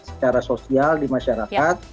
secara sosial di masyarakat